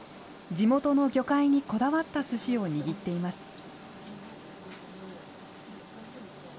地元の魚介にこだわったすしを握っています。